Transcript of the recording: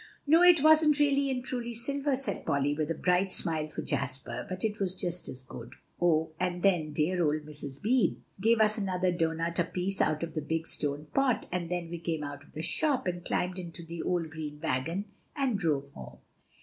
"No, it wasn't really and truly silver," said Polly, with a bright smile for Jasper; "but it was just as good. Oh! and then dear old Mrs. Beebe gave us another doughnut apiece out of the big stone pot; and then we came out of the shop, and climbed into the old green wagon and drove home."